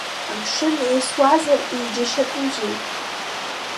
Амшын еисуазар, изџьашьатәузеи…